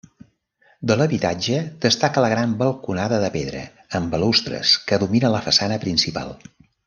De l'habitatge destaca la gran balconada de pedra amb balustres que domina la façana principal.